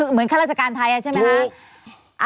เหมือนฆ่าราชการไทยใช่ไหมคะ